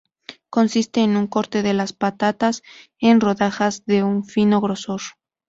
Consisten en un corte de las patatas en rodajas de un fino grosor.